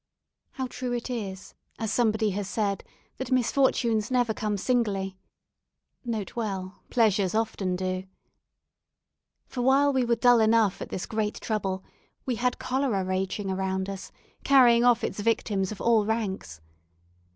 How true it is, as somebody has said, that misfortunes never come singly. N.B. Pleasures often do. For while we were dull enough at this great trouble, we had cholera raging around us, carrying off its victims of all ranks.